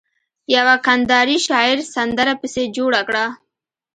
يوه کنداري شاعر سندره پسې جوړه کړه.